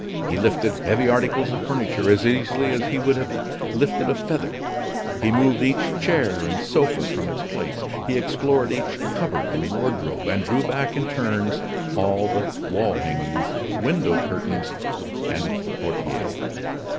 He lifted heavy articles of furniture as easily as he would have lifted a feather; he moved each chair and sofa from its place, he explored each cupboard and wardrobe, and drew back in turns all the wall hangings, window curtains, and portieres.